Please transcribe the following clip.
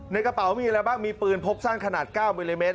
ในกระเป๋ามีอะไรบ้างมีปืนพกสั้นขนาด๙มิลลิเมต